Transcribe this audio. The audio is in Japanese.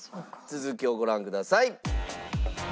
続きをご覧ください。